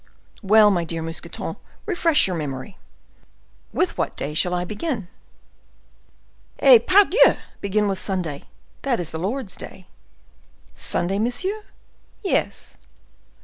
"Well, my dear Mousqueton, refresh your memory." "With what day shall I begin?" "Eh, pardieux! begin with Sunday; that is the Lord's day." "Sunday, monsieur?" "Yes."